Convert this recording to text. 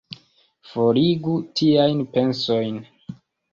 Forigu tiajn pensojn!